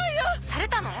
されたの？